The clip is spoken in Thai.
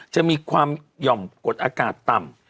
จะมีความหย่อมกดอากาศต่ำ